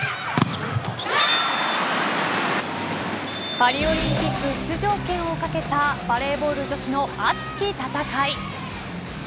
パリオリンピック出場権を懸けたバレーボール女子の熱き戦い。